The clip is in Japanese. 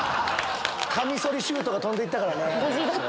カミソリシュートが飛んで行ったからね。